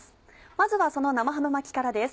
まずはその生ハム巻きからです。